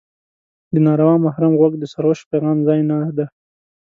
د ناروا محرم غوږ د سروش پیغام ځای نه دی.